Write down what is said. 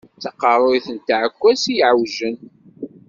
D taqerruyt n tɛekkwazt i yeɛewjen.